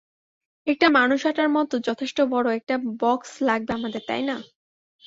একটা মানুষ আঁটার মতো যথেষ্ট বড়ো একটা বক্স লাগবে আমাদের, তাই না?